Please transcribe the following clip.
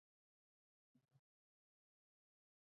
ازادي راډیو د د ښځو حقونه په اړه د خلکو نظرونه خپاره کړي.